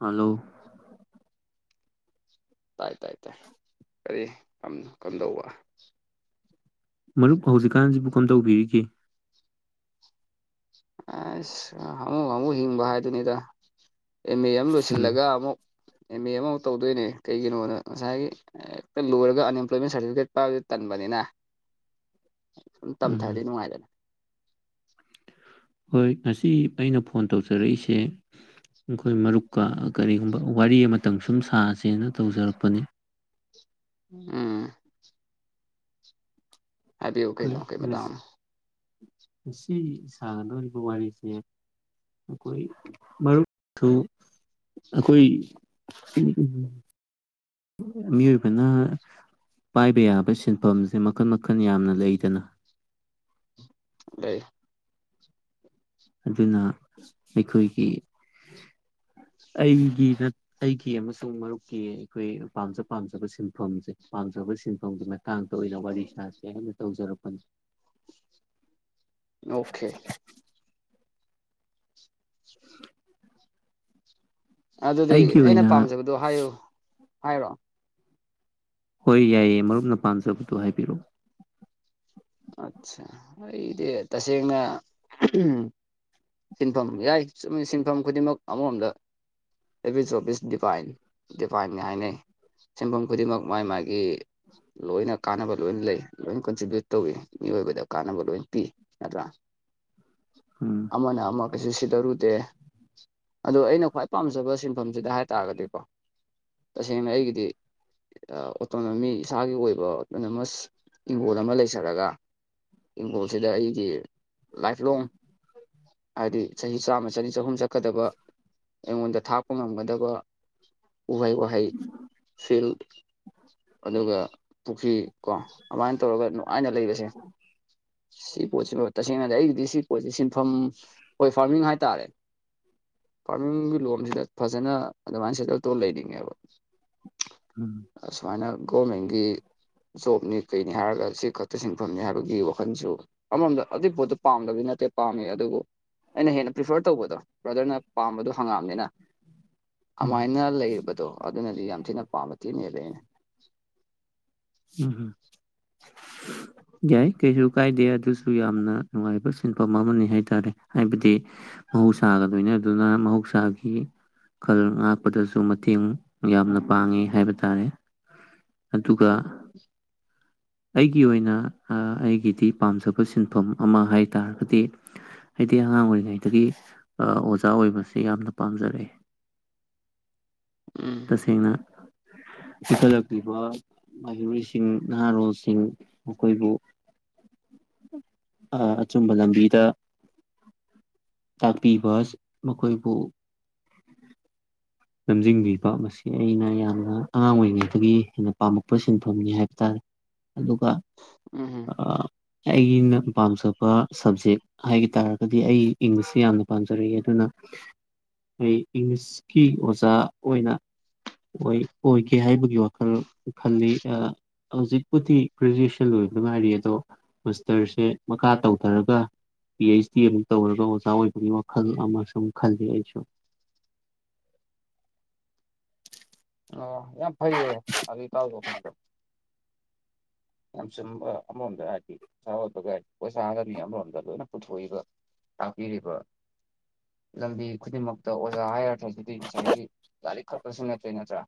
hello ꯇꯥꯏ ꯇꯥꯏ ꯇꯥꯏ ꯀꯔꯤ ꯀꯝ ꯀꯝꯗꯧꯕ ꯃꯔꯨꯞ ꯍꯧꯖꯤꯛꯀꯥꯟꯁꯤꯕꯨ ꯀꯝꯗꯧꯕꯤꯔꯤꯒꯦ ꯨ ꯑꯁ ꯍꯥꯃꯨ ꯍꯥꯃꯨꯍꯤꯡꯕ ꯍꯥꯏꯗꯨꯅꯤꯗ ꯑꯦꯝ ꯑꯦ ꯑꯃ ꯎꯝ ꯂꯣꯏꯁꯤꯜꯂꯒ ꯑꯃꯨꯛ ꯑꯦꯝ ꯑꯦ ꯑꯃꯃꯨꯛ ꯇꯧꯗꯣꯏꯅꯦ ꯀꯩꯒꯤꯅꯣꯗ ꯉꯁꯥꯏꯒꯤ ꯍꯦꯛꯇ ꯂꯣꯏꯔꯒ ꯑꯟꯑꯦꯝꯄ꯭ꯂꯣꯏꯃꯦꯟ ꯁꯥꯔꯇꯤꯐꯤꯀꯦꯠ ꯄꯥꯏꯕ ꯇꯟꯕꯅꯤ ꯅꯤꯅ [inaudible] ꯁꯨꯝ ꯎꯝ ꯇꯝꯊꯔꯗꯤ ꯅꯨꯡꯉꯥꯏꯗꯅ ꯍꯣꯏ ꯉꯁꯤ ꯑꯩꯅ ꯐꯣꯟ ꯇꯧꯖꯔꯛꯏꯁꯦ ꯑꯩꯈꯣꯏ ꯃꯔꯨꯞꯀ ꯀꯔꯤꯒꯨꯝꯕ ꯋꯥꯔꯤ ꯑꯃꯇꯪ ꯁꯨꯝ ꯁꯥꯁꯦꯅ ꯇꯧꯖꯔꯛꯄꯅꯤ ꯎꯝ ꯍꯥꯏꯕꯤꯌꯨ ꯑꯩꯈꯣꯏ ꯀꯩꯅꯣ ꯀꯩ ꯉꯁ- ꯃꯥꯇꯥꯡꯅꯣ ꯉꯁꯤ ꯁꯥꯥꯟꯒꯗꯧꯔꯤꯕ ꯋꯥꯔꯤꯁꯦ ꯀꯣꯏ ꯃꯔꯨꯞ ꯇꯨ ꯑꯈꯣꯏ ꯃꯤꯑꯣꯏꯕꯅ ꯄꯥꯏꯕ ꯌꯥꯕ ꯁꯤꯟꯐꯝꯁꯦ ꯃꯈꯟ ꯃꯈꯟ ꯌꯥꯝꯅ ꯂꯩꯗꯅ ꯂꯩꯏ ꯑꯗꯨꯅ ꯑꯈꯣꯏꯒꯤ ꯑꯩꯒꯤ ꯑꯩꯒꯤ ꯑꯃꯁꯨꯡ ꯃꯔꯨꯞꯀꯤ ꯑꯈꯣꯏ ꯄꯥꯝꯖ ꯄꯥꯝꯖꯕ ꯁꯤꯟꯐꯝꯁꯦ ꯄꯥꯝꯖꯕ ꯁꯤꯟꯐꯝꯒꯤ ꯃꯇꯥꯡꯗ ꯑꯣꯏꯅ ꯋꯥꯔꯤ ꯁꯥꯁꯤ ꯍꯥꯏꯅ ꯇꯧꯖꯔꯛꯄꯅꯤ ꯑꯣꯀꯦ ꯑꯗꯨꯗꯤ ꯑꯩꯒꯤ ꯑꯩꯅ ꯑꯣꯏꯅ ꯄꯥꯝꯖꯕꯗꯨ ꯍꯥꯏꯌꯨ ꯍꯥꯏꯔꯣ ꯍꯣꯏ ꯌꯥꯏꯌꯦ ꯃꯔꯨꯞꯅ ꯄꯥꯝꯖꯕꯗꯨ ꯍꯥꯏꯕꯤꯔꯛꯑꯣ ꯑꯠꯆꯥ ꯑꯩꯗꯤ ꯇꯁꯦꯡꯅ ꯁꯤꯟꯐꯝ ꯌꯥꯏ ꯁꯤꯟꯐꯝ ꯈꯨꯗꯤꯡꯃꯛ ꯑꯃꯔꯣꯝꯗ [unintelligible] ꯗꯤꯕꯥꯏꯟ ꯗꯤꯕꯥꯏꯟꯅꯤ ꯍꯥꯏꯅꯩ ꯁꯤꯟꯐꯝ ꯈꯨꯗꯤꯡꯃꯛ ꯃꯥꯒꯤ ꯃꯥꯒꯤ ꯂꯣꯏꯅ ꯀꯥꯟꯅꯕ ꯂꯣꯏꯅ ꯂꯩ ꯂꯣꯏ ꯀꯟꯇ꯭ꯔꯤꯕ꯭ꯌꯨꯠ ꯇꯧꯋꯤ ꯃꯤꯑꯣꯏꯕꯗ ꯀꯥꯟꯅꯕ ꯂꯣꯏ ꯄꯤ ꯅꯠꯇ꯭ꯔꯥ ꯎꯝ ꯑꯃꯅ ꯑꯃ ꯀꯩꯁꯨ ꯁꯤꯗꯔꯨꯗꯦ ꯑꯗꯣ ꯑꯩꯅ ꯈ꯭ꯋꯥꯏ ꯄꯥꯝꯖꯕ ꯁꯤꯟꯐꯝꯁꯤꯗ ꯍꯥꯏ ꯇꯥꯔꯒꯗꯤꯀꯣ ꯇꯁꯦꯡꯅ ꯑꯩꯒꯤꯗꯤ ꯑꯣꯇꯣꯅꯣꯃꯤ ꯏꯁꯥꯒꯤ ꯑꯣꯏꯕ ꯑꯣꯇꯣꯅꯣꯃꯁ ꯏꯪꯈꯣꯜ ꯑꯃ ꯂꯩ ꯖꯔꯒ ꯏꯪꯈꯣꯜꯁꯤꯗ ꯑꯩꯒꯤ ꯂꯥꯏꯐꯂꯣꯡ ꯍꯥꯏꯗꯤ ꯆꯍꯤ ꯆꯥꯝꯃ ꯆꯅꯤ ꯆꯍꯨꯝ ꯆꯠꯀꯗꯕ ꯑꯩꯉꯣꯟꯗ ꯊꯥꯛꯄ ꯉꯝꯒꯗꯕ ꯎꯍꯩ ꯋꯥꯍꯩ ꯐꯤꯜ ꯑꯗꯨꯒ ꯄꯨꯈ꯭ꯔꯤ ꯀꯣ ꯑꯗꯨꯃꯥꯏꯅ ꯇꯧꯔꯒ ꯑꯩꯅ ꯂꯩꯕꯁꯦ ꯁꯤ ꯄꯣꯠꯁꯤꯃ ꯇꯁꯦꯡꯅꯗꯤ ꯑꯩꯒꯤꯗꯤ ꯁꯤ ꯄꯣꯠꯁꯤ ꯁꯤꯟꯐꯝ ꯑꯈꯣꯏ ꯐꯥꯔꯃꯤꯡ ꯍꯥꯏꯇꯥꯔꯦ ꯐꯥꯔꯃꯤꯡꯒꯤ ꯂꯣꯝꯁꯤꯗ ꯐꯖꯅ ꯑꯗꯨꯃꯥꯏꯅ ꯁꯦꯇꯜ ꯇꯧ ꯂꯩꯅꯤꯡꯉꯦꯕ ꯎꯝ ꯑꯁꯨꯃꯥꯏꯅ ꯒꯣꯔꯃꯦꯟꯒꯤ ꯖꯣꯕꯅꯤ ꯀꯩꯅꯤ ꯍꯥꯏꯔꯒ ꯁꯤ ꯈꯛꯇ ꯁꯤꯟꯐꯝꯅꯤ ꯍꯥꯏꯕꯒꯤ ꯋꯥꯈꯟꯁꯨ ꯑꯃꯔꯣꯝꯗ ꯑꯗꯨꯏ ꯄꯣꯠꯇꯨ ꯄꯥꯝꯗꯕ ꯅꯠꯇꯦ ꯄꯥꯝꯃꯤ ꯑꯗꯨꯕꯨ ꯑꯩꯅ ꯍꯦꯟꯅ ꯄ꯭ꯔꯤꯐꯔ ꯇꯧꯕꯗꯣ ꯕ꯭ꯔꯗꯔꯅ ꯄꯥꯝꯕꯗꯣ ꯍꯪꯉꯛꯑꯕꯅꯤꯅ ꯎꯝ ꯑꯗꯨꯃꯥꯏꯅ ꯂꯩꯗꯣ ꯑꯗꯨꯅꯗꯤ ꯌꯥꯝ ꯊꯤꯅ ꯄꯥꯝꯕ ꯊꯤꯅꯦꯕ ꯑꯩꯅ ꯎꯝꯝ ꯌꯥꯏ ꯀꯩꯁꯨ ꯀꯥꯏꯗꯦ ꯑꯗꯨꯁꯨ ꯌꯥꯝꯅ ꯅꯨꯡꯉꯥꯏꯕ ꯁꯤꯟꯐꯝ ꯑꯃꯅꯤ ꯍꯥꯏꯇꯥꯔꯦ ꯍꯥꯏꯕꯗꯤ ꯃꯍꯧꯁꯥꯒꯂꯣꯏꯅꯗꯨꯅ ꯃꯍꯧꯁꯥꯒꯤ ꯈꯜ ꯉꯥꯛꯄꯗꯁꯨ ꯃꯇꯦꯡ ꯌꯥꯝꯅ ꯄꯥꯡꯉꯤ ꯍꯥꯏꯕ ꯇꯥꯔꯦ ꯑꯗꯨꯒ [inaudible] ꯑꯩꯒꯤ ꯑꯣꯏꯅ ꯑꯩꯒꯤꯗꯤ ꯄꯥꯝꯖꯕ ꯁꯤꯟꯐꯝ ꯑꯃ ꯍꯥꯏ ꯇꯥꯔꯒꯗꯤ ꯑꯩ ꯑꯉꯥꯡ ꯑꯣꯏꯔꯤꯉꯩꯗꯒꯤ ꯑꯣꯖꯥ ꯑꯣꯏꯕꯁꯦ ꯌꯥꯝꯅ ꯄꯥꯝꯖꯔꯛꯑꯦ ꯎꯝ ꯇꯁꯦꯡꯅ ꯆꯤꯈꯠꯂꯛꯂꯤꯕ ꯃꯍꯩꯔꯣꯏꯁꯤꯡ ꯅꯍꯥꯔꯣꯜꯁꯤꯡ ꯃꯈꯣꯏꯕꯨ ꯑꯆꯨꯝꯕ ꯂꯝꯕꯤꯗ ꯇꯥꯛꯄꯤꯕ ꯃꯈꯣꯏꯕꯨ ꯂꯝꯖꯤꯡꯕꯤꯕ ꯃꯁꯤ ꯑꯩꯅ ꯌꯥꯝꯅ ꯑꯉꯥꯡ ꯑꯣꯏꯔꯤꯉꯩꯗꯒꯤ ꯍꯦꯟꯅ ꯄꯥꯝꯃꯛꯄ ꯁꯤꯟꯐꯝꯅꯤ ꯍꯥꯏꯕ ꯇꯥꯔꯦ ꯑꯗꯨꯒ ꯎꯝ ꯑꯩꯒꯤꯅ ꯄꯥꯝꯖꯕ ꯁꯕꯖꯦꯛ ꯍꯥꯏꯒ ꯇꯥꯔꯒꯗꯤ ꯑꯩ ꯏꯪꯂꯤꯁꯁꯦ ꯌꯥꯝꯅ ꯄꯥꯝꯖꯔꯛꯏ ꯑꯗꯨꯅ ꯑꯈꯣꯏ ꯏꯪꯂꯤꯁꯀꯤ ꯑꯣꯖꯥ ꯑꯣꯏꯅ ꯑꯣꯏ ꯑꯣꯏꯒꯦ ꯍꯥꯏꯕꯒꯤ ꯋꯥꯈꯜ ꯈꯜꯂꯤ ꯍꯧꯖꯤꯛꯄꯨꯗꯤ ꯒ꯭ꯔꯦꯖꯨꯑꯦꯁꯟ ꯂꯣꯏꯕꯗ ꯉꯥꯏꯔꯤ ꯑꯗꯣ ꯃꯁꯇꯔꯁꯦ ꯃꯈꯥ ꯇꯧꯊꯔꯒ ꯄꯤ ꯑꯩꯩꯆ ꯗꯤ ꯑꯃꯨꯛ ꯇꯧꯔꯒ ꯑꯣꯖꯥ ꯑꯣꯏꯕꯒꯤ ꯋꯥꯈꯜ ꯑꯃꯁꯨ ꯈꯜꯂꯤ ꯑꯩꯁꯨ ꯑꯣ ꯌꯥꯝ ꯐꯩꯌꯦ ꯑꯗꯨ ꯏꯇꯥꯎ ꯋꯥꯈꯜꯗꯣ [inaudible] ꯌꯥꯝ ꯆꯨꯝꯕ ꯑꯃꯔꯣꯝꯗ ꯍꯥꯏꯔꯗꯤ ꯄꯥ ꯑꯣꯠꯄꯒ ꯍꯥꯏꯔꯗꯤ ꯄꯣꯁꯥꯒꯅꯤ ꯑꯃꯔꯣꯝꯗ ꯂꯣꯏꯅ ꯄꯨꯊꯣꯛꯏꯕ ꯇꯥꯛꯄꯤꯔꯤꯕ ꯂꯝꯕꯤ ꯈꯨꯗꯤꯡꯃꯛꯇ ꯑꯣꯖꯥ ꯍꯥꯏꯔꯗꯤ ꯉꯁꯥꯏꯒꯤ ꯂꯥꯏꯔꯤꯛ ꯈꯛꯇꯁꯨ ꯅꯠꯇꯦ ꯅꯠꯇ꯭ꯔꯥ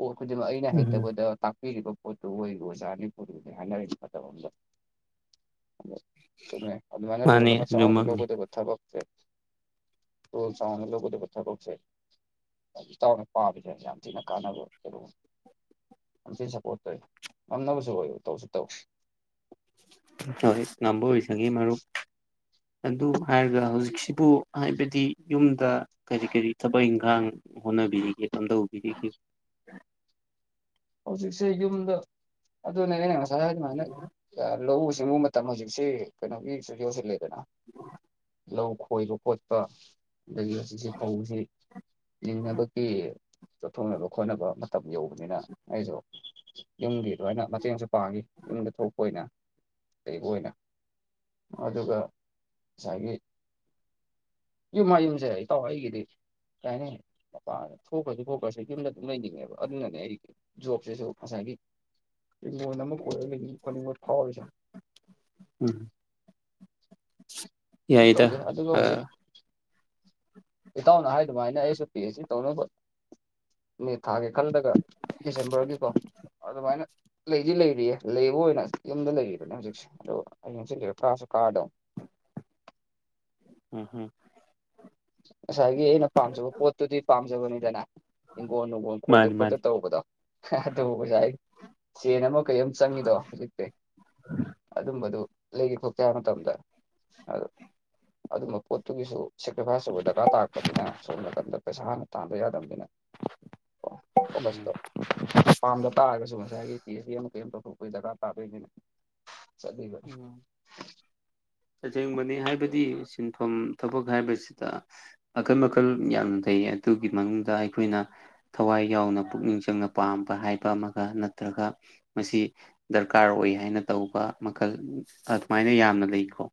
ꯑꯣ ꯈꯨꯗꯤꯡꯃꯛ ꯑꯩꯅ ꯎꯝ ꯍꯩꯇꯕꯗ ꯇꯥꯛ ꯄꯤꯔꯤꯕ ꯄꯣꯠꯇꯨ ꯑꯣꯏꯒꯤ ꯑꯣꯖꯥ ꯄꯣꯠꯇꯨ ꯍꯥꯏꯅꯔꯤꯅꯦ ꯃꯇꯝ ꯑꯃꯗ ꯑꯗ ꯆꯨꯝꯃꯦ ꯑꯗꯨꯃꯥꯏꯅ ꯃꯥꯅꯦ ꯎꯕꯗ ꯆꯥꯎꯅ ꯑꯗꯨꯃꯛꯅꯤ ꯌꯣꯛꯀꯗꯕ ꯊꯕꯛ ꯁꯦ ꯇꯣꯂꯣꯞ ꯆꯥꯎꯅꯕꯒꯤ ꯊꯕꯛꯁꯦ ꯏꯇꯥꯎꯅ ꯄꯥꯕꯁꯦ ꯌꯥꯝ ꯊꯤꯅ ꯀꯥꯟꯅꯕ ꯑꯗꯨ ꯌꯥꯝꯊꯤꯅ ꯁꯞꯄꯣꯔꯠ ꯇꯧꯋꯤ ꯉꯝꯅꯕꯁꯨ ꯑꯣꯏꯌꯨ ꯇꯧꯁꯨ ꯇꯧꯁꯤ ꯍꯣꯏ ꯉꯝꯕ ꯑꯣꯏꯖꯒꯦ ꯃꯔꯨꯞ ꯑꯗꯨ ꯍꯥꯏꯔꯒ ꯍꯧꯖꯤꯛꯁꯤꯕꯨ ꯍꯥꯏꯕꯗꯤ ꯌꯨꯝꯗ ꯀꯔꯤ ꯀꯔꯤ ꯊꯕꯛ ꯏꯪꯈꯥꯡ ꯍꯣꯠꯅꯕꯤꯔꯤꯒꯦ ꯀꯝꯗꯧꯕꯤꯒꯦ ꯍꯧꯖꯤꯛꯁꯦ ꯌꯨꯝꯗ ꯑꯗꯨꯅꯦ ꯑꯩꯅ ꯉꯁꯥꯏ ꯑꯗꯨꯃꯥꯏꯅ ꯂꯧꯎꯁꯤ ꯁꯤꯡꯎ ꯃꯇꯝ ꯍꯧꯖꯤꯛꯁꯦ ꯀꯩꯅꯣꯒꯤꯁꯨ ꯌꯧꯁꯤꯜꯂꯦꯗꯅ [unintelligible] ꯂꯧ ꯈꯣꯏꯕ ꯈꯣꯠꯄ ꯑꯗꯒꯤ ꯍꯧꯖꯤꯛꯁꯤ ꯐꯧꯁꯤ ꯂꯤꯡꯅꯕꯒꯤ ꯆꯠꯊꯣꯛꯅꯕ ꯈꯣꯠꯅꯕ ꯃꯇꯝ ꯌꯧꯕꯅꯤꯅ ꯑꯩꯁꯨ ꯌꯨꯝꯒꯤ ꯂꯣꯏꯅ ꯃꯇꯦꯡꯁꯨ ꯄꯥꯡꯉꯤ ꯌꯨꯝꯗ ꯊꯣꯛꯄ ꯑꯣꯏꯅ ꯂꯩꯕ ꯑꯣꯏꯅ ꯑꯗꯨꯒ ꯉꯁꯥꯏꯒꯤ ꯌꯨꯝ ꯃꯌꯨꯝꯁꯦ ꯏꯇꯥꯎ ꯑꯩꯒꯤꯗꯤ ꯀꯥꯏ ꯍꯥꯏꯅꯤ ꯃꯄꯥꯟꯗ ꯊꯣꯛꯈ꯭ꯔꯁꯨ ꯈꯣꯈ꯭ꯔꯁꯨ ꯌꯨꯝꯗ ꯑꯗꯨꯝ ꯂꯩꯅꯤꯡꯉꯦꯕ ꯑꯗꯨꯅꯅꯦ ꯑꯩ ꯖꯣꯕꯁꯦꯁꯨ ꯉꯁꯥꯏꯒꯤ ꯍꯤꯡꯒꯣꯜ ꯑꯃ [unintelligible] ꯎꯝ ꯀꯩꯝ ꯌꯥꯏꯗ ꯇꯧꯗꯦ ꯑꯗꯨꯒ ꯍꯧꯖꯤꯛ ꯑꯥ ꯏꯇꯥꯎꯅ ꯍꯥꯏꯗꯨ ꯃꯥꯥꯏꯅ ꯑꯩꯁꯨ ꯄꯤ ꯍꯩꯁ ꯗꯤ ꯇꯧꯅꯕ ꯃꯦ ꯊꯥꯒꯤ ꯈꯜꯂꯒ ꯗꯤꯁꯦꯝꯕꯔꯒꯤꯀꯣ ꯑꯗꯨꯃꯥꯏꯅ ꯂꯩꯗꯤ ꯂꯩꯔꯤꯌꯦ ꯂꯩꯕ ꯑꯣꯏꯅ ꯌꯨꯝꯗ ꯂꯩꯔꯤꯕꯅꯦ ꯍꯧꯖꯤꯛꯁꯦ ꯑꯗꯣ ꯑꯩ ꯍꯌꯦꯡ ꯍꯪꯆꯤꯠ ꯂꯩꯔ ꯀꯔꯥꯁꯨ ꯀꯥꯗꯣ ꯎꯝ ꯍꯝ ꯉꯁꯥꯏꯒꯤ ꯑꯩꯅ ꯄꯥꯝꯖꯕ ꯄꯣꯠꯇꯨꯗꯤ ꯄꯥꯝꯖꯕꯅꯤꯗꯅ ꯍꯤꯡꯒꯣꯜ ꯅꯨꯡꯒꯣꯜ ꯈꯣꯏꯗ ꯃꯥꯅꯤ ꯈꯣꯠꯇ ꯃꯥꯅꯤ ꯇꯧꯕꯗꯣ ꯑꯗꯨꯕꯨ ꯑꯣꯖꯥ ꯁꯦꯟ ꯑꯃ ꯀꯩꯝ ꯆꯪꯉꯤꯗꯣ ꯍꯧꯖꯤꯛꯇꯤ ꯑꯗꯨꯝꯕꯗꯨ ꯂꯩꯒꯦ ꯈꯣꯠꯀꯦ ꯍꯥꯏꯕ ꯃꯇꯝꯗ ꯑꯗꯨꯝꯕ ꯄꯣꯠꯇꯨꯒꯤꯁꯨ ꯄꯦꯕꯥꯥꯆꯧꯕ ꯗꯔꯀꯥꯔ ꯇꯥꯔꯛꯄꯅꯤꯅ ꯁꯣꯝ ꯅꯀꯟꯗ ꯄꯩꯁꯥ ꯍꯥꯟꯅ ꯇꯥꯟꯕ ꯌꯥꯗꯕꯅꯤꯅ ꯐꯣꯀꯁꯇꯣ ꯎꯝ ꯄꯥꯝꯗꯕ ꯇꯥꯔꯒꯁꯨ ꯉꯁꯥꯏꯒꯤ ꯄꯤ ꯍꯩꯁ ꯗꯤ ꯑꯃ ꯀꯩ ꯑꯃꯇꯧ ꯇꯧꯕꯒꯤ ꯗꯔꯀꯥꯔ ꯇꯥꯗꯣꯏꯅꯤꯅꯦ ꯎꯝ ꯑꯁꯦꯡꯕꯅꯤ ꯍꯥꯏꯕꯗꯤ ꯁꯤꯟꯐꯝ ꯊꯕꯛ ꯍꯥꯏꯕꯁꯤꯗ ꯃꯈꯜ ꯃꯈꯜ ꯌꯥꯝꯅ ꯂꯩ ꯑꯗꯨꯒꯤ ꯃꯅꯨꯡꯗ ꯑꯩꯈꯣꯏꯅ ꯊꯋꯥꯏ ꯌꯥꯎꯅ ꯄꯨꯛꯅꯤꯡ ꯆꯪꯅ ꯄꯥꯝꯕ ꯍꯥꯏꯕ ꯑꯃꯒ ꯅꯠꯇ꯭ꯔꯒ ꯃꯁꯤ ꯗꯔꯀꯥꯔ ꯀꯔ ꯑꯣꯏ ꯍꯥꯏꯅ ꯇꯧꯕ ꯃꯈꯜ ꯑꯗꯨꯃꯥꯏꯅ ꯌꯥꯝꯅ ꯂꯩꯀꯣ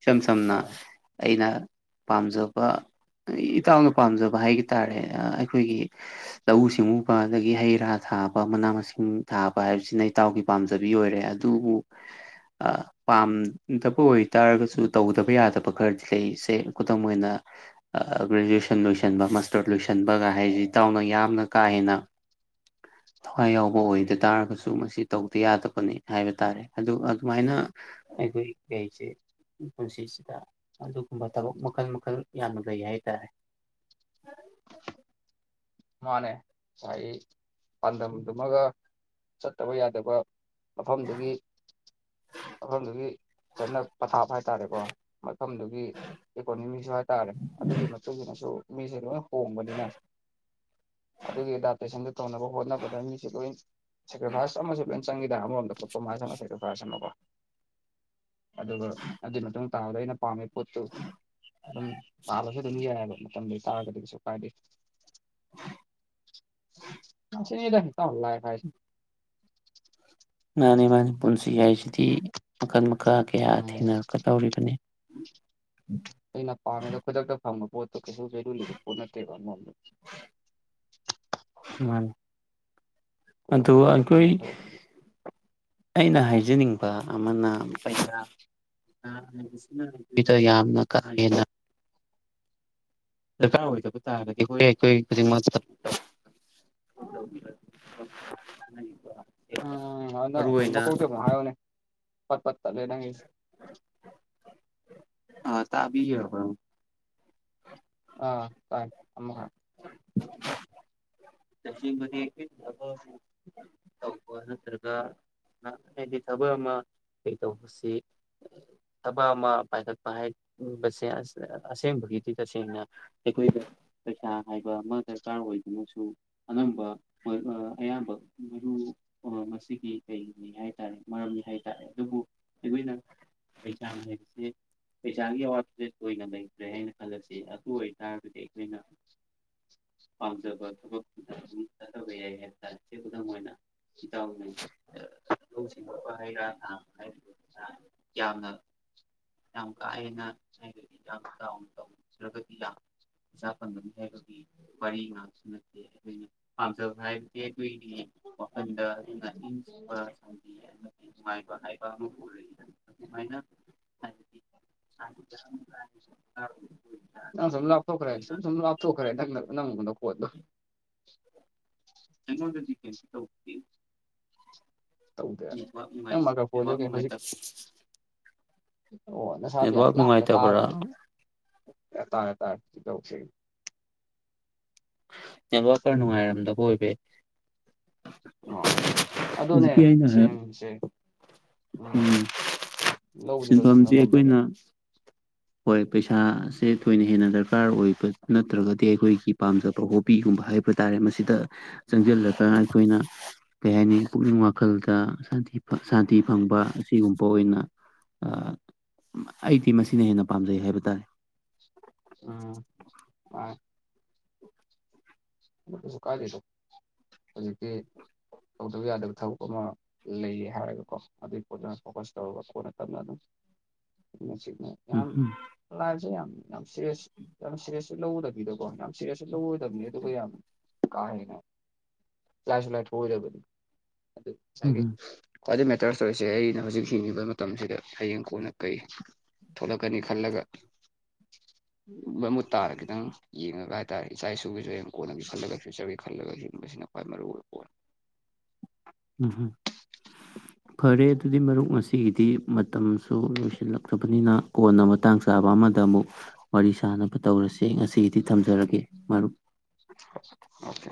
ꯏꯁꯝ ꯁꯝꯅ ꯑꯥ ꯑꯩꯅ ꯄꯥꯝꯖꯕ ꯏꯇꯥꯎꯅ ꯄꯥꯝꯖꯕ ꯍꯥꯏꯒ ꯇꯥꯔꯦ ꯑꯩꯈꯣꯏꯒꯤ ꯂꯧꯎ ꯁꯤꯡꯎꯕ ꯑꯗꯒꯤ ꯍꯩ ꯔꯥ ꯊꯥꯕ ꯃꯅꯥ ꯃꯁꯤꯡ ꯊꯥꯕ ꯍꯥꯏꯕꯁꯤꯅ ꯏꯇꯥꯎꯒꯤ ꯄꯥꯝꯖꯕꯤ ꯑꯣꯏꯔꯦ ꯑꯗꯨꯕꯨ ꯄꯥꯝꯗꯕ ꯑꯣꯏꯇꯥꯥꯔꯒꯁꯨ ꯇꯧꯗꯕ ꯌꯥꯗꯕ [unintelligible] ꯈꯨꯗꯝ ꯑꯣꯏꯅ ꯒ꯭ꯔꯦ ꯂꯣꯏꯟꯇꯔ ꯂꯣꯏ ꯍꯥꯏ ꯏꯇꯥꯎꯅ ꯌꯥꯝꯅ ꯀꯥ ꯍꯦꯟꯅ ꯊꯋꯥꯏ ꯌꯥꯎꯕ ꯑꯥ ꯑꯣꯏꯗ ꯇꯥꯔꯒꯁꯨ ꯃꯁꯤ ꯇꯧꯗ ꯌꯥꯗꯕꯅꯤ ꯍꯥꯏꯕ ꯇꯥꯔꯦ ꯑꯗꯨ ꯑꯗꯨꯃꯥꯏꯅ ꯑꯩꯈꯣꯏ ꯀꯩꯁꯦ ꯄꯨꯟꯁꯤꯁꯤꯗ ꯑꯗꯨꯒꯨꯝꯕ ꯊꯕꯛ ꯃꯈꯜ ꯃꯈꯜ ꯌꯥꯝꯅ ꯂꯩ ꯍꯥꯏꯇꯥꯔꯦ [inaudible] ꯃꯥꯅꯦ ꯉꯁꯥꯏ ꯄꯥꯟꯗꯝꯗꯨꯃꯒ ꯆꯠꯇꯕ ꯌꯥꯗꯕ ꯃꯐꯝꯗꯨꯒꯤ ꯃꯐꯝꯗꯨꯒꯤ ꯆꯠꯅ ꯄꯊꯥꯞ ꯍꯥꯏꯇꯥꯔꯦꯀꯣ ꯃꯐꯝꯗꯨꯒꯤ ꯏꯀꯣꯅꯣꯃꯤꯁꯨ ꯍꯥꯏ ꯇꯔꯦ ꯑꯗꯨꯒꯤ ꯃꯇꯨꯡ ꯏꯟꯅꯁꯨ ꯃꯤꯁꯦ ꯂꯣꯏ ꯍꯣꯡꯕꯅꯤꯅ ꯑꯗꯨꯒꯤ ꯑꯦꯗꯥꯞꯇꯦꯁꯟꯗꯨ ꯇꯧꯅꯕ ꯍꯣꯠꯅꯕꯗ ꯃꯤꯁꯦ ꯂꯣꯏ ꯁꯦꯀ꯭ꯔꯤꯐꯥꯏꯁ ꯑꯃꯁꯨ ꯐꯖ ꯆꯪꯏꯗ ꯑꯃꯣꯝꯗ ꯄꯛꯄ ꯃꯥꯁꯦ ꯃꯁꯥꯏꯗ ꯐꯔꯁꯤꯅꯕꯣ ꯑꯗꯨꯒ ꯑꯗꯨꯏ ꯃꯇꯨꯡ ꯇꯥꯕꯗ ꯑꯩꯅ ꯄꯥꯝꯃꯦ ꯄꯣꯠꯇꯨ ꯑꯗꯨꯝ ꯇꯥꯕꯁꯨ ꯑꯗꯨꯝ ꯌꯥꯏꯑꯕ ꯃꯇꯝꯗꯨ ꯇꯥꯔꯒꯗꯤ ꯀꯩꯁꯨ ꯀꯥꯏꯗꯦ ꯁꯤꯅꯤꯗ ꯏꯇꯥꯎ ꯂꯥꯢ ꯍꯥꯢ ꯃꯥꯅꯤ ꯃꯥꯅꯤ ꯄꯨꯟꯁꯤ ꯍꯥꯏꯁꯤꯗꯤ ꯃꯈꯟ ꯃꯈꯥ ꯀꯌꯥ ꯎꯝ ꯊꯦꯡꯅꯔꯛꯀꯗꯧꯔꯤꯕꯅꯤ ꯎ ꯑꯩꯅ ꯄꯥꯝꯃꯤꯗ ꯈꯨꯗꯛꯇ ꯐꯪꯕ ꯄꯣꯠꯇꯣ ꯀꯩꯁꯨ [unintelligible] ꯂꯤꯕ ꯄꯣꯠ ꯅꯠꯇꯦꯕꯉꯣꯟꯗ ꯃꯥꯅꯤ ꯈꯨꯗꯛ ꯑꯗꯨ ꯈꯨꯗꯛꯇ ꯑꯩꯈꯣꯏ ꯐꯪꯕ ꯊꯕꯛꯁꯤꯗꯤ ꯑꯩꯅ ꯍꯥꯏꯖ ꯖꯦꯅꯤꯡꯕ ꯑꯃꯅ ꯄꯩꯁꯥ ꯅꯕꯤꯗ ꯌꯥꯝꯅ ꯀꯥ ꯍꯦꯟꯅ ꯗ꯭ꯔꯀꯥꯔ ꯑꯣꯏꯗꯕ ꯇꯥꯔꯒꯗꯤ ꯍꯣꯏ ꯑꯩꯈꯣꯏ ꯈꯨꯗꯤꯡꯃꯛ ꯆꯞ ꯇꯥꯢ ꯇꯧꯈꯤꯕ [unintelligible] ꯎꯝ ꯍꯅ ꯃꯀꯣꯛꯇꯩ ꯑꯃꯨꯛ ꯍꯥꯢꯌꯨꯅꯦ ꯄꯠ ꯄꯠ ꯇꯠꯂꯦ ꯅꯪꯒꯤꯁꯦ ꯑ ꯇꯥꯕꯤꯔꯕ꯭ꯔꯥ ꯑꯥ ꯇꯥꯏ ꯑꯃꯨꯀ ꯑꯊꯦꯡꯕꯗꯤ ꯀ꯭ꯔꯤ ꯊꯕꯛ ꯇꯧꯕ꯭ꯔꯥ ꯅꯠꯇ꯭ꯔꯒ ꯍꯥ ꯍꯥꯏꯗꯤ ꯊꯕꯛ ꯑꯃ ꯀꯩ ꯇꯧꯕꯁꯤ ꯊꯕꯛ ꯑꯃ ꯄꯥꯏꯈꯠꯄ ꯍꯥꯏꯕꯁꯦ ꯑꯁ ꯑꯁꯦꯡꯕꯒꯤꯗꯤ ꯇꯁꯦꯡꯅ ꯑꯩꯈꯣꯏꯅ ꯄꯩꯁꯥ ꯍꯥꯏꯕ ꯑꯃ ꯗ꯭ꯔꯀꯥꯔ ꯑꯣꯏꯗꯨꯅꯁꯨ ꯑꯅꯝꯕ ꯃꯔ ꯑ ꯑꯌꯥꯝꯕ ꯃꯔꯨ ꯑ ꯃꯁꯤꯒꯤ ꯀꯩꯅꯤ ꯍꯥꯏꯇꯥꯔꯦ ꯃꯔ ꯆꯪꯉꯤ ꯍꯥꯏꯇꯥꯔꯦ ꯑꯗꯨꯕꯨ ꯑꯩꯈꯣꯏꯅ ꯄꯩꯁꯥ ꯍꯥꯏꯕꯁꯦ ꯄꯩꯁꯥꯒꯤ ꯑꯋꯥꯠꯄ ꯂꯩꯇ꯭ꯔꯦ ꯍꯥꯏꯅ ꯈꯜꯂꯛꯁꯤ ꯑꯗꯨ ꯑꯣꯏ ꯇꯥꯔꯔꯕꯗꯤ ꯑꯩꯈꯣꯏꯅ ꯄꯥꯝꯖꯕ ꯊꯕꯛ ꯑꯗꯨꯝ ꯆꯠꯊꯕ ꯌꯥꯏ ꯍꯥꯏꯕꯇꯥꯥꯔꯦ ꯀꯩꯝꯇ ꯃꯣꯏꯅ ꯏꯇꯥꯎꯅꯤ ꯍꯧꯖꯤꯛ ꯃꯄꯥꯟ ꯍꯩꯔ ꯊꯥꯡ ꯍꯩꯗꯨꯅꯤ ꯌꯥꯝꯅ ꯌꯥꯝ ꯀꯥ ꯍꯦꯟꯅ ꯍꯥꯏꯕꯗꯤ ꯌꯥꯝ ꯇꯥꯎꯟꯗꯥꯟ ꯇꯧꯗ꯭ꯔꯒꯗꯤ ꯂꯥꯛ ꯑꯣꯖꯥ ꯐꯪꯒꯅꯤ ꯍꯥꯏꯕꯒꯤ ꯋꯥꯔꯤ ꯉꯥꯛꯇ ꯅꯠꯇꯦ ꯑꯣꯏꯗꯒꯤ ꯄꯥꯝꯖꯕ ꯍꯥꯢꯔꯗꯤ ꯑꯩꯈꯣꯏꯒꯤ ꯀꯣ ꯋꯥꯈꯟꯗ ꯏꯪꯒ ꯏꯪ ꯆꯤꯛꯄ [unintelligible] ꯅꯨꯡꯉꯥꯢ ꯍꯥꯏꯕ ꯑꯃ ꯎꯔꯛꯏ ꯑꯗꯨꯃꯥꯏꯅ ꯍꯥꯏꯕꯗꯤ [unintelligible] ꯑꯃꯨꯛ ꯀ [unintelligible] ꯅꯪ ꯁꯨꯝ ꯂꯥꯞꯊꯣꯛꯈ꯭ꯔꯦ ꯁꯨꯝ ꯁꯨꯝ ꯂꯥꯞꯊꯣꯛꯈ꯭ꯔꯦ ꯅꯪ ꯅꯪ ꯅꯈꯣꯟꯗꯣ ꯑꯩꯉꯣꯟꯗꯗꯤ ꯀꯩꯝ ꯇꯧꯗꯦ ꯇꯧꯗꯦ ꯅꯦꯠꯋꯥꯔꯛ ꯅꯨꯉꯥꯢ ꯅꯪ ꯃꯥꯏꯀ꯭ꯔꯐꯣꯟꯁꯦ ꯅꯦꯠꯋꯥꯔꯛ ꯀꯩ ꯍꯧꯖꯤꯛ ꯅꯨꯉꯥꯢꯇꯕ ꯑꯣ ꯅꯁꯥꯗꯤ ꯌꯥꯝ ꯂꯥꯞꯅ ꯇꯥꯈ꯭ꯔ ꯀꯩꯝ ꯇꯥꯔꯦ ꯑꯥ ꯇꯧꯁꯦ ꯅꯦꯠꯋꯥꯔꯛ ꯈꯔ ꯅꯨꯡꯉꯥꯏꯔꯝꯗꯕ ꯑꯣꯏꯕ ꯌꯥꯢ ꯑꯣ ꯑꯗꯨꯅꯦ ꯑꯩꯅ ꯍꯥꯏ ꯁꯦꯡꯁꯦ ꯎꯝ ꯂꯧꯕꯗꯤ ꯂꯧꯁꯤꯟꯕ ꯁꯤꯟꯐꯝꯁꯤ ꯉꯝꯃꯦꯕ ꯑꯩꯈꯣꯏꯅ ꯍꯣꯏ ꯄꯩꯁꯥꯁꯦ ꯊꯣꯏꯅ ꯍꯦꯟꯅ ꯗ꯭ꯔꯀꯥꯔ ꯑꯣꯏꯕ ꯅꯠꯇ꯭ꯔꯒꯗꯤ ꯑꯩꯈꯣꯏꯒꯤ ꯄꯥꯝꯖꯕ ꯍꯣꯕꯤꯒꯨꯝꯕ ꯍꯥꯏ ꯍꯥꯏꯕ ꯇꯥꯔꯦ ꯃꯁꯤꯗ ꯆꯪꯁꯤꯜꯂꯒ ꯑꯩꯈꯣꯏꯅ ꯀꯩ ꯍꯥꯏꯅꯤ ꯄꯨꯛꯅꯤꯡ ꯋꯥꯈꯜꯗ ꯁꯥꯟꯇꯤ ꯁꯥꯟꯇꯤ ꯐꯪꯕ ꯑꯁꯤꯒꯨꯝꯕ ꯑꯣꯏꯅ ꯑꯩꯗꯤ ꯑ ꯃꯁꯤꯅ ꯍꯦꯟꯅ ꯄꯥꯝꯖꯩ ꯍꯥꯏꯕ ꯇꯥꯔꯦ ꯎꯝ ꯍꯣꯢ ꯀꯩꯁꯨꯛ ꯀꯥꯢꯗꯦꯗ ꯍꯧꯖꯤꯛꯇꯤ ꯇꯧꯗꯕ ꯌꯥꯗꯕ ꯊꯕꯛ ꯑꯃ ꯂꯩꯌꯦ ꯍꯥꯏꯔꯒꯀꯣ ꯑꯗꯨꯒꯤ ꯄꯣꯠꯇꯨꯅ ꯐꯣꯀꯁ ꯇꯧꯔꯒ ꯀꯣꯟꯅ ꯇꯞꯅ ꯑꯗꯨꯝ [inaudible] ꯢꯡꯅ ꯆꯤꯛꯅ ꯎꯝ ꯌꯥꯝ ꯎꯝ ꯂꯥꯢꯐꯁꯦ ꯌꯥꯝ ꯌꯥꯝ ꯁꯦꯔꯤꯌꯁ ꯌꯥꯝ ꯁꯦꯔꯤꯌꯁꯁꯨ ꯂꯧꯗꯕꯤꯗꯀꯣ ꯌꯥꯝ ꯁꯦꯔꯌꯁꯁꯨ ꯂꯧꯔꯣꯏꯗꯕꯅꯤ ꯑꯗꯨꯒ ꯌꯥꯝ ꯀꯥ ꯍꯦꯟꯅ ꯂꯥꯏꯁꯨ ꯂꯥꯏꯊꯣꯛꯑꯣꯢꯗꯕꯅꯤ ꯑꯗꯨ ꯎꯝ ꯁꯥꯢꯒꯩ ꯍꯝ ꯈ꯭ꯋꯥꯗꯩ ꯃꯦꯇꯔꯁ ꯑꯣꯢꯔꯤꯁꯦ ꯑꯩꯅ ꯍꯧꯖꯤꯛ ꯍꯤꯡꯉꯤꯕ ꯃꯇꯝꯁꯤꯗ ꯍꯌꯦꯡ ꯀꯣꯟꯅ ꯀꯩ ꯊꯣꯂꯛꯀꯅꯤ ꯈꯜꯂꯒ ꯃꯃꯨꯠ ꯇꯥꯔ ꯈꯤꯇꯪ ꯌꯦꯡꯉꯒ ꯍꯥꯏꯇꯥꯔꯦ ꯏꯆꯥ ꯏꯁꯨꯒꯤꯁꯨ ꯍꯌꯦꯡ ꯀꯣꯟꯅꯒꯤ ꯈꯜꯂꯒ ꯐ꯭ꯌꯨꯆꯔꯒꯤ ꯈꯜꯂꯒ ꯍꯤꯡꯕꯁꯤꯅ ꯈ꯭ꯋꯥꯏ ꯃꯔꯨ ꯑꯣꯏꯕ ꯄꯣꯠꯅꯤ ꯎꯝꯍꯝ ꯐꯔꯦ ꯑꯗꯨꯗꯤ ꯃꯔꯨꯞ ꯉꯁꯤꯒꯤꯗꯤ ꯃꯇꯝ ꯁꯨ ꯂꯣꯏꯁꯤꯜꯂꯛꯂꯕꯅꯤꯅ ꯀꯣꯟꯅ ꯃꯇꯥꯡ ꯆꯥꯕ ꯑꯃꯗ ꯑꯃꯨꯛ ꯋꯥꯔꯤ ꯁꯥꯟꯅꯕ ꯇꯧꯔꯁꯦ ꯉꯁꯤ ꯑꯩꯗꯤ ꯊꯝꯖꯔꯒꯦ ꯃꯔꯨꯞ ꯑꯣꯀꯦ